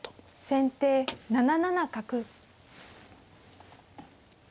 先手７七角。